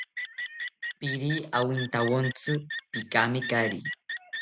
Piiri awintawontzi, pikamikari